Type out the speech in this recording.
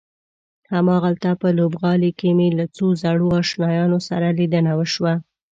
هماغلته په لوبغالي کې مې له څو زړو آشنایانو سره لیدنه وشوه.